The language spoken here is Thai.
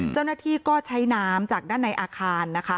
เจ้าหน้าที่ก็ใช้น้ำจากด้านในอาคารนะคะ